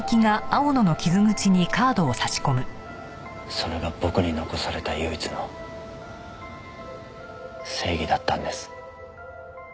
それが僕に残された唯一の正義だったんです。